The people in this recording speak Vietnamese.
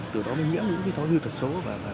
từ đó mới nhớ những thói hư thật số